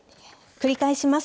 繰り返します。